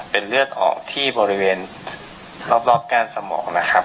เป็นเลือดออกที่บริเวณรอบก้านสมองนะครับ